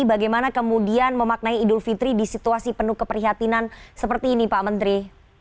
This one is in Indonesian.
bagaimana kemudian memaknai idul fitri di situasi penuh keprihatinan seperti ini pak menteri